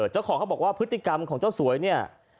เจ้าของเขาบอกว่าพฤติกรรมของเจ้าสวยเนี่ย